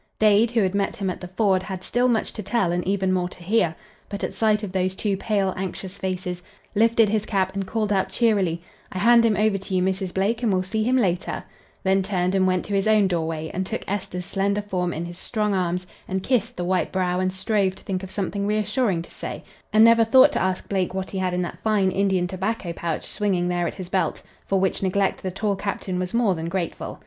Dade, who had met him at the ford, had still much to tell and even more to hear; but at sight of those two pale, anxious faces, lifted his cap and called out cheerily, "I hand him over to you, Mrs. Blake, and will see him later," then turned and went to his own doorway, and took Esther's slender form in his strong arms and kissed the white brow and strove to think of something reassuring to say, and never thought to ask Blake what he had in that fine Indian tobacco pouch swinging there at his belt, for which neglect the tall captain was more than grateful.